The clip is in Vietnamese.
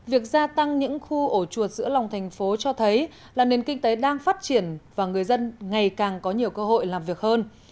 việc gia tăng những khu ổ chuột giữa lòng thành phố cho thấy là nền kinh tế đang phát triển và người dân ngày càng có nhiều cơ hội làm việc hơn